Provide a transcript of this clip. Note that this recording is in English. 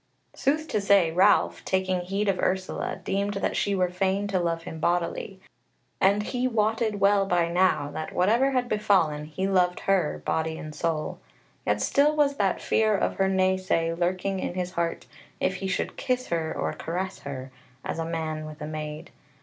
Sooth to say, Ralph, taking heed of Ursula, deemed that she were fain to love him bodily, and he wotted well by now, that, whatever had befallen, he loved her, body and soul. Yet still was that fear of her naysay lurking in his heart, if he should kiss her, or caress her, as a man with a maid.